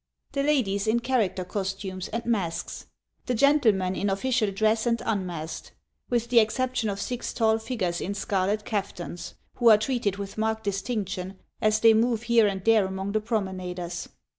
The ladies in character costumes and masks. The gentlemen in official dress and unmasked, with the exception of six tall figures in scarlet kaftans, who are treated with marked distinction as they move here and there among the promenaders.